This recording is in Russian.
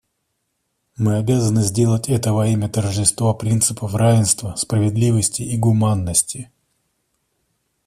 Мы обязаны сделать это во имя торжества принципов равенства, справедливости и гуманности.